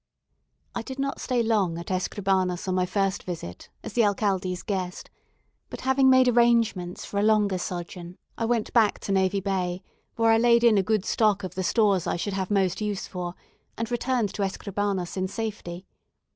I did not stay long at Escribanos, on my first visit, as the alcalde's guest; but, having made arrangements for a longer sojourn, I went back to Navy Bay, where I laid in a good stock of the stores I should have most use for, and returned to Escribanos in safety.